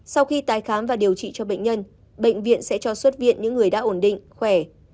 sau khi tái khám và điều trị cho bệnh nhân bệnh viện sẽ cho xuất viện những người đã ổn định khỏe